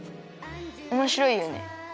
おもしろいよね。